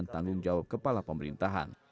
tanggung jawab kepala pemerintahan